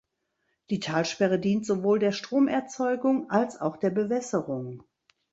Die Talsperre dient sowohl der Stromerzeugung als auch der Bewässerung.